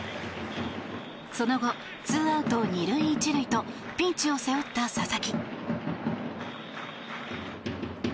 その後、２アウト２塁１塁とピンチを背負った佐々木。